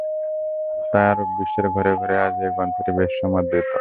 তাই আরব বিশ্বের ঘরে ঘরে আজ এ গ্রন্থটি বেশ সমাদৃত।